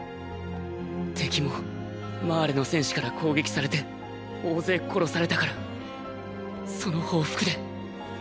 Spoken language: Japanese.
敵もマーレの戦士から攻撃されて大勢殺されたからその報復で。